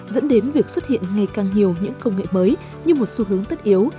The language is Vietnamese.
dẫn đến việc xuất hiện ngày càng nhiều những công nghệ mới như một xu hướng tất yếu